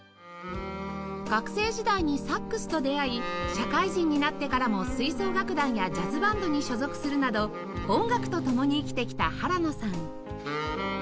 社会人になってからも吹奏楽団やジャズバンドに所属するなど音楽と共に生きてきた原野さん